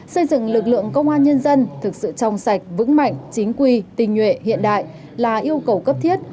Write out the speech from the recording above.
xây dựng lực lượng công an nhân dân thực sự trong sạch vững mạnh chính quy tình nhuệ hiện đại là yêu cầu cấp thiết